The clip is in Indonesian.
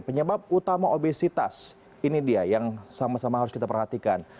penyebab utama obesitas ini dia yang sama sama harus kita perhatikan